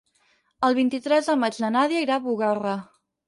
El vint-i-tres de maig na Nàdia irà a Bugarra.